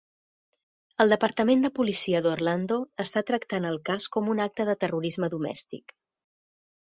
El Departament de Policia d'Orlando està tractant el cas com un acte de terrorisme domèstic.